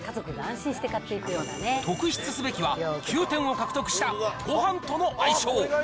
特筆すべきは９点を獲得したごはんとの相性。